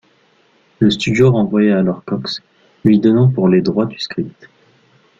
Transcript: Le studio renvoya alors Cox, lui donnant pour les droits du script.